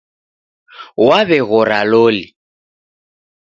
W'aweghora loli.